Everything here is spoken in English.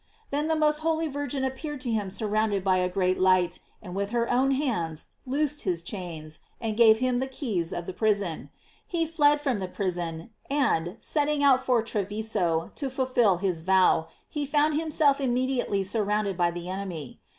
Then the most holy Virgin appeared to him surrounded by a great light, and with her own hands loosed his chains, and gave him the keys of the prispn. He fled from the prison, and, setting out for Treviso to fulfil his vow, he found himself immediately surrounded by the enemy.